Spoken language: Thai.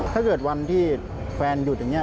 ถ้าเกิดวันที่แฟนหยุดอย่างนี้